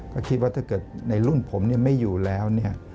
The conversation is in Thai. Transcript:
ก็คิดว่าถ้าเกิดในรุ่นผมไม่อยู่แล้วเนี่ย